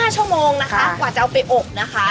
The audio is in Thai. ๕ชั่วโมงนะคะกว่าจะเอาไปอบนะคะ